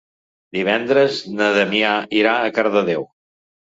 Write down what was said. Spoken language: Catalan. Divendres na Damià irà a Cardedeu.